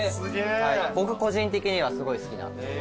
僕個人的にはすごい好きなんです。